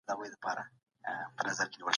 څوک د نویو کتابونو د چاپ او خپرولو ملاتړ کوي؟